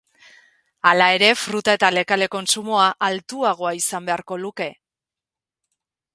Hala ere, fruta eta lekale kontsumoa altuagoa izan beharko luke.